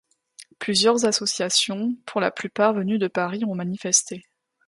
Plusieurs associations, pour la plupart venues de Paris ont manifesté.